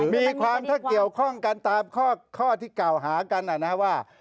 มีความถ้าเกี่ยวข้องกันตามข้อที่เก่าหากันนะครับว่า